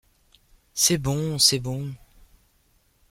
C’est bon, c’est bon. ..